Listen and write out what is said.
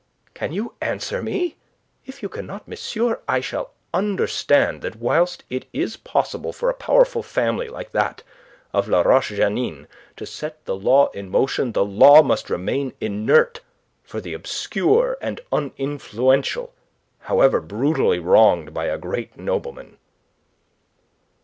Can you answer me? If you cannot, monsieur, I shall understand that whilst it is possible for a powerful family like that of La Roche Jeannine to set the law in motion, the law must remain inert for the obscure and uninfluential, however brutally wronged by a great nobleman."